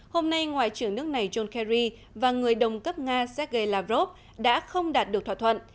hôm nay ngoại trưởng nước này john kerry và người đồng cấp nga sergei lavrov đã không đạt được thỏa thuận